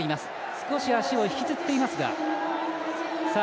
少し足を引きずっていますが。